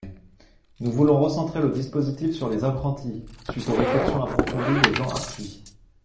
Nous voulons recentrer le dispositif sur les apprentis, suite aux réflexions approfondies de Jean Arthuis.